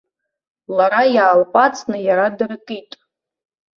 Лара иаалҟәаҵны иара дыркит.